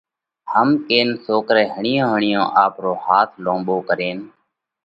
هم ڪينَ سوڪرئہ هڻِيئون هڻِيئون آپرو هاٿ لونٻو ڪرينَ